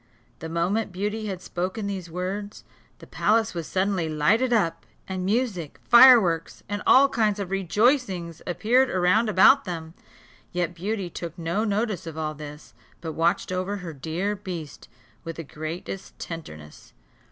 The moment Beauty had spoken these words, the palace was suddenly lighted up, and music, fireworks, and all kinds of rejoicings, appeared round about them. Yet Beauty took no notice of all this, but watched over her dear beast with the greatest tenderness.